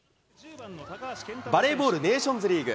バレーボールネーションズリーグ。